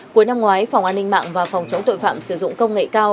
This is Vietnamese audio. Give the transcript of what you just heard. cuối năm ngoái phòng an ninh mạng và phòng chống tội phạm sử dụng công nghệ cao